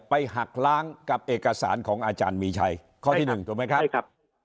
หักล้างกับเอกสารของอาจารย์มีชัยข้อที่หนึ่งถูกไหมครับใช่ครับ